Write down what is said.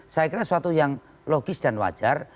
saya kira suatu yang logis dan wajar